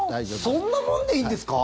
そんなもんでいいんですか？